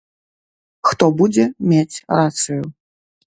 Хто будзе мець рацыю.